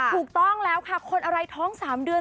ถูกต้องแล้วค่ะคนอะไรท้อง๓เดือน